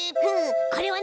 これはね